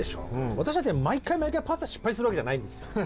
私だって毎回毎回パスタ失敗するわけじゃないんですよ。